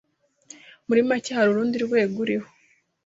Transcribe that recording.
muri make hari urundi rwego uriho